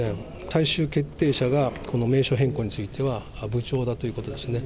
最終決定者がこの名称変更については部長だということですね。